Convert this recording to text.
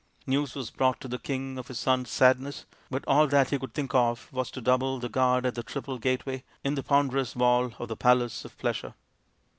News was brought to the king of his son's sadness, but all that he could think of was to double the guard at the triple gateway in the ponderous wall of the palace of pleasure.